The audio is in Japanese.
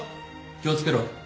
気をつけろ。